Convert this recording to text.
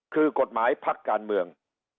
คือกฎหมายพักการเมือง